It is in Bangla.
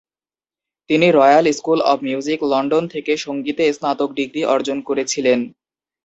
তিনি royal school of music London থেকে সংগীতে স্নাতক ডিগ্রি অর্জন করেছিলেন।